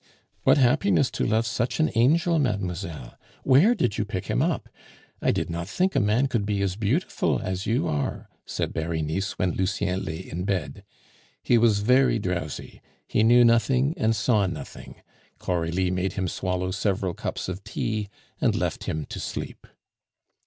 "What happiness to love such an angel, mademoiselle! Where did you pick him up? I did not think a man could be as beautiful as you are," said Berenice, when Lucien lay in bed. He was very drowsy; he knew nothing and saw nothing; Coralie made him swallow several cups of tea, and left him to sleep.